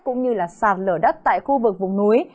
cũng như là sạt lờ đất tại khu vực vùng núi